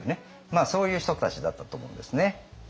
そういう人たちだったと思うんですね。